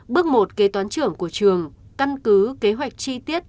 bước một kế toán trưởng của trường căn cứ kế hoạch chi tiết